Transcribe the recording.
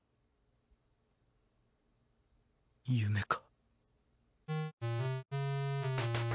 夢か。